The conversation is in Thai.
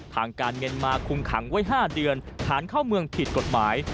ทางการเมียนมาคุมขังไว้๕เดือนฐานเข้าเมืองผิดกฎหมาย